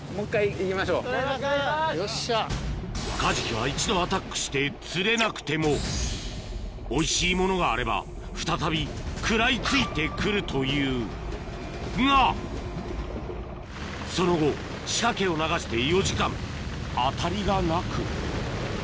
カジキは一度アタックして釣れなくてもおいしいものがあれば再び食らいついて来るというがその後仕掛けを流してそうですね。